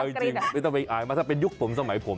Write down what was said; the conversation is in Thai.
แต่เอาจริงไม่ต้องไปอายมากถ้าเป็นยุคปำสักหมายผม